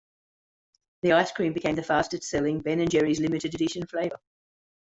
The ice cream became the fastest-selling Ben and Jerry's limited-edition flavor.